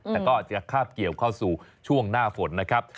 แต่ก็อาจจะคาบเกี่ยวเข้าสู่ช่วงหน้าฝนนะครับ